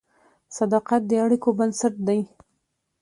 صداقت د اړیکو بنسټ دی.